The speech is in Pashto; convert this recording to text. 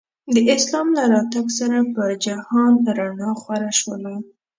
د اسلام له راتګ سره په جهان رڼا خوره شوله.